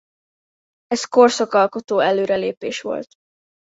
Ez korszakalkotó előrelépés volt.